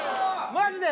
マジで。